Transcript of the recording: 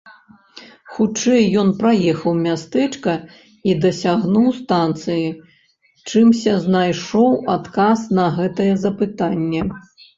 Хутчэй ён праехаў мястэчка і дасягнуў станцыі, чымся знайшоў адказ на гэтае запытанне.